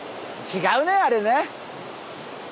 違うねあれね。